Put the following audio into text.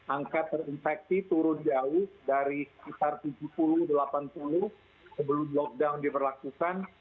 angka terinfeksi turun jauh dari sekitar tujuh puluh delapan puluh sebelum lockdown diperlakukan